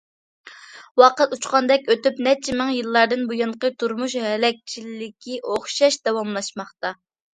ۋاقىت ئۇچقاندەك ئۆتۈپ، نەچچە مىڭ يىللاردىن بۇيانقى تۇرمۇش ھەلەكچىلىكى ئوخشاش داۋاملاشماقتا.